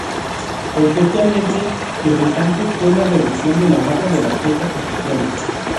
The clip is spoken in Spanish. Especialmente irritante fue la reducción de la masa de las pesas oficiales.